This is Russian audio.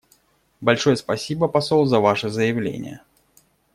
Большое спасибо, посол, за ваше заявление.